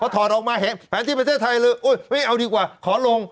ถอดออกมาเห็นแผนที่ประเทศไทยเลยไม่เอาดีกว่าขอลง